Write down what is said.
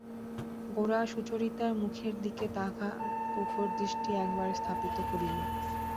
গোরা সুচরিতার মুখের দিতে তাহার প্রখর দৃষ্টি একবার স্থাপিত করিল।